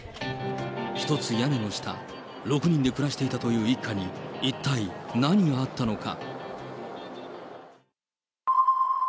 一つ屋根の下、６人で暮らしていたという一家に、一体何があったのか。